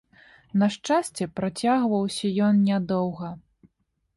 На шчасце, працягваўся ён нядоўга.